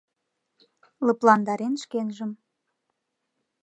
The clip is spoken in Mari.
— Лыпландарен шкенжым.